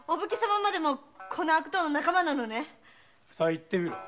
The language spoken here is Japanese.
言ってみろ。